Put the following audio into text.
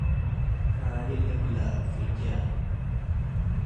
ካይል እግለ እብ ፍጃን